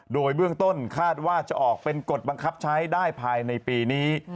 โดยเบื้องต้นคาดว่าจะออกเป็นกฎบังคับใช้ได้ภายในปีนี้